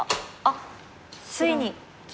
あっついに。